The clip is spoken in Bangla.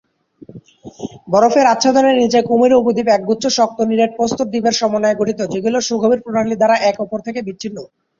বরফের আচ্ছাদনের নিচে কুমেরু উপদ্বীপ একগুচ্ছ শক্ত নিরেট প্রস্তর দ্বীপের সমন্বয়ে গঠিত; যেগুলো সুগভীর প্রণালী দ্বারা একে অপর থেকে বিচ্ছিন্ন।